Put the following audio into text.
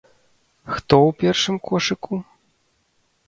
Хто ў першым кошыку?